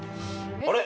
あれ？